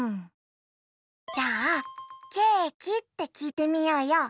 じゃあ「ケーキ？」ってきいてみようよ。